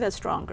đang trở nên